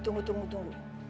tunggu tunggu tunggu